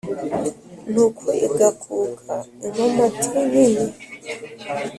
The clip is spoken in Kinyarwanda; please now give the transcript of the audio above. ntuku igakuka inkomati nini